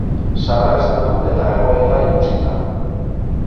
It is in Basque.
Sara esnatu eta egoera ikusita.